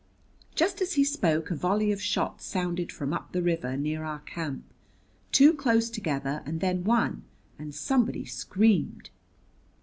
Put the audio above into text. Just as he spoke a volley of shots sounded from up the river near our camp, two close together and then one; and somebody screamed.